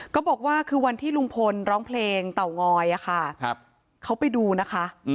บอกว่าคือวันที่ลุงพลร้องเพลงเต่างอยค่ะเขาไปดูนะคะ